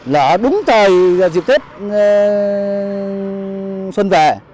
nó đúng thời dịp tết xuân về